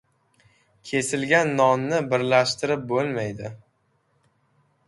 • Kesilgan nonni birlashtirib bo‘lmaydi.